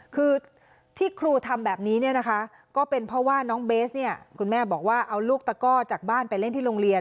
คือที่ครูทำแบบนี้เนี่ยนะคะก็เป็นเพราะว่าน้องเบสเนี่ยคุณแม่บอกว่าเอาลูกตะก้อจากบ้านไปเล่นที่โรงเรียน